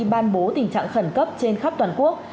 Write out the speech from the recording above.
ban bố tình trạng khẩn cấp trên khắp toàn quốc